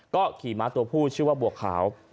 ก็ขี่ม้าตัวผู้ชื่อว่าบัวขาว